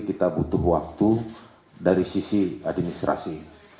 kita butuh waktu dari sisi administrasi